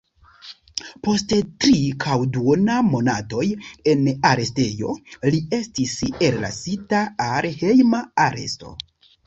Post tri kaj duona monatoj en arestejo, li estis ellasita al hejma aresto.